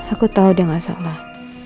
aku tau dia gak salah